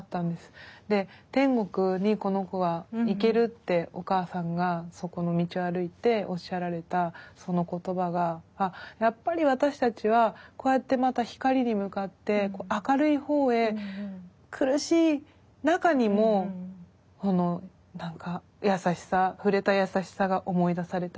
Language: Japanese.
天国にこの子は行けるってお母さんがそこの道を歩いておっしゃられたその言葉がやっぱり私たちはこうやってまた光に向かって明るいほうへ苦しい中にも何か優しさ触れた優しさが思い出されたりとか。